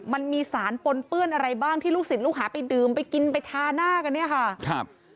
มันมีสารปนเปื้อนอะไรบ้างที่ลูกศิษย์ลูกหาไปดื่มไปกินไปทาหน้ากันเนี่ยค่ะครับ